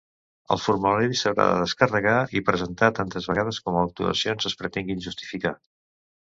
El formulari s'haurà de descarregar i presentar tantes vegades com actuacions es pretenguin justificar.